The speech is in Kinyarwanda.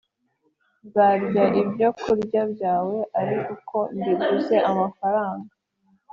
Nzarya ibyokurya byawe ari uko mbiguze amafaranga,